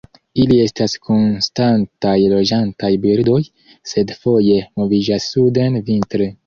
Ili estas konstantaj loĝantaj birdoj, sed foje moviĝas suden vintre.